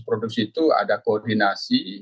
produksi itu ada koordinasi